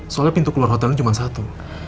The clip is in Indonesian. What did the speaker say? soalnya pintu keluar hotelnya cuma satu